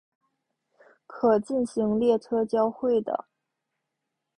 可进行列车交会的。